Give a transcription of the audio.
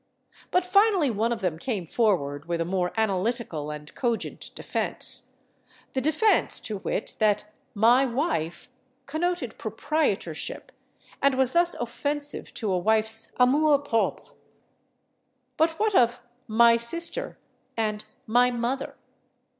But finally one of them came forward with a more analytical and cogent defense—the defense, to wit, that "my wife" connoted proprietorship and was thus offensive to a wife's amour propre. But what of "my sister" and "my mother"?